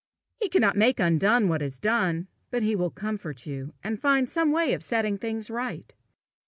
He cannot make undone what is done, but he will comfort you, and find some way of setting things right.